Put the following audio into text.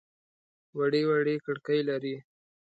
وړې وړې کړکۍ لري.